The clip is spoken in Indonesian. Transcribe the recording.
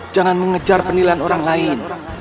jangan mengejar penilaian orang lain